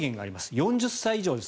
４０歳以上です。